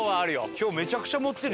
今日めちゃくちゃ持ってる。